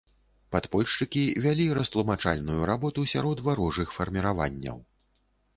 Падпольшчыкі вялі растлумачальную работу сярод варожых фарміраванняў.